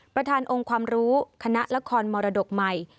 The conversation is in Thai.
ประธานองค์ความรู้คณะละครมรดกใหม่